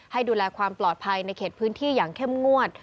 ให้ดูแลความปลอดภัยในเขตพื้นที่อย่างเข้มงวด